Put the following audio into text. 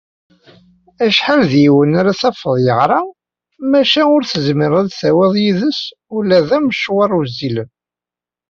Acḥal d yiwen ara tafeḍ yeɣra, maca ur tezmireḍ ad tawiḍ yid-s ula d amecwar wezzilen.